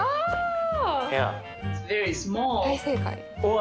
大正解。